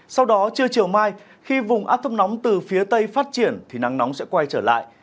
sau đó trưa chiều mai khi vùng áp thấp nóng từ phía tây phát triển thì nắng nóng sẽ quay trở lại